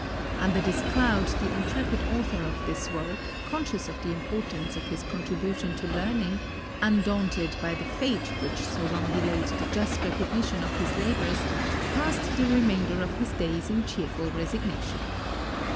Under this cloud, the intrepid author of this work, conscious of the importance of his contribution to learning, undaunted by the fate which so long delayed the just recognition of his labors, passed the remainder of his days in cheerful resignation.